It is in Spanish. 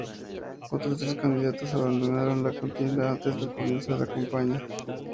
Otros tres candidatos abandonaron la contienda antes del comienzo de la campaña.